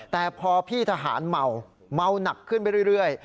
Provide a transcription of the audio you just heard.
แต่พอพี่ทหารเมาเมาหนักขึ้นไปเรื่อย